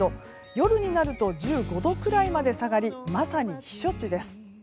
夜になると１５度くらいまで下がりまさに避暑地です。